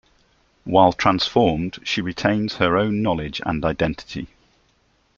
While transformed, she retains her own knowledge and identity.